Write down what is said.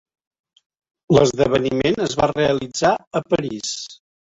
L'esdeveniment es va realitzar a París.